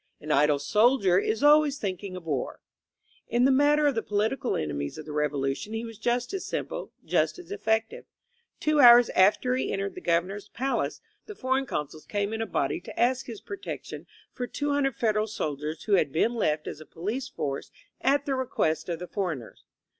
An idle soldier is always thinking of war/' In the matter of the political enemies of the Revolu tion he was just as simple, just as effective. Two hours after he entered the Governor's palace the for eign consuls came in a body to ask his protection for SOO Federal soldiers who had been left as a police force at the request of the foreigners.